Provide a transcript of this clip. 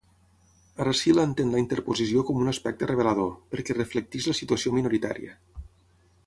Aracil entén la interposició com un aspecte revelador, perquè reflecteix la situació minoritària.